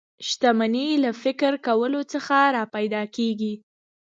شتمني له فکر کولو څخه را پیدا کېږي